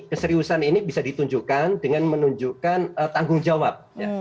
keseriusan ini bisa ditunjukkan dengan menunjukkan tanggung jawab